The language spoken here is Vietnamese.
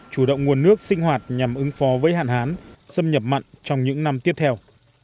chủ động nguồn nước sinh hoạt nhằm ứng phó với hạn hán xâm nhập mặn trong những năm tiếp theo